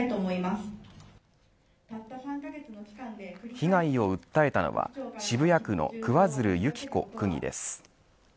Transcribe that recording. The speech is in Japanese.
被害を訴えたのは渋谷区の桑水流弓紀子区議です。